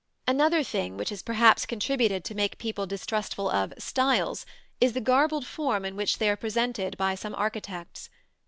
Another thing which has perhaps contributed to make people distrustful of "styles" is the garbled form in which they are presented by some architects.